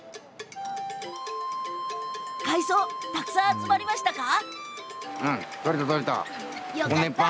海藻、たくさん集まりましたか？